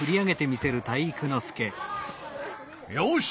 よし！